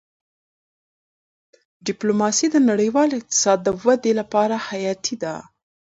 ډيپلوماسي د نړیوال اقتصاد د ودې لپاره حیاتي ده.